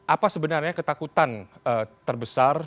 apa sebenarnya ketakutan terbesar